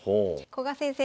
古賀先生